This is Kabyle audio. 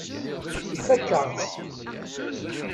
Ifakk-aɣ-tt.